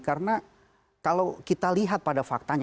karena kalau kita lihat pada faktanya